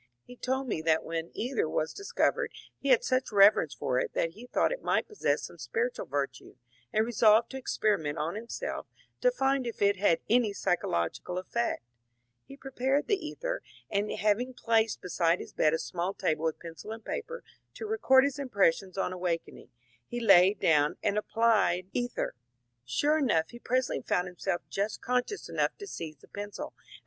He told me that when ether was discovered he had such reverence for it that he thought it might possess some spiritual virtue, and resolved to experiment on himself to find if it had any psy chological effect. He prepared the ether, and, having placed beside his bed a small table with pencil and paper to record his impressions on awakening, he lay down and applied the yiu^ t^^ c/A^^'<^ Oc*^^'^ /fc«^«*^ oOl^ru^*^ ^/^s«/mC* <:/>itfu.^ ^)&au0C^ £U^ <t}^tAm^ y/^zz::^^'^'?